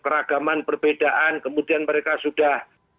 keragaman perbedaan kemudian mereka sudah